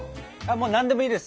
何でもいいです！